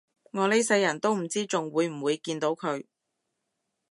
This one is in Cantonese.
我呢世人都唔知仲會唔會見到佢